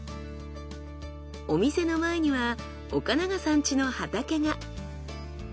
お店の前には岡永さん家の畑が。